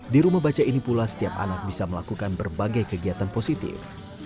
di rumah baca ini pula setiap anak bisa melakukan berbagai kegiatan positif